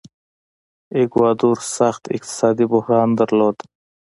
ایکواډور سخت اقتصادي بحران درلود.